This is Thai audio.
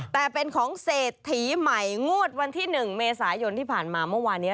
แต่เป็นของเศรษฐีใหม่งวดวันที่๑เมษายนที่ผ่านมาเมื่อวานนี้